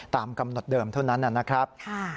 ตามกำหนดเดิมเท่านั้นนะครับ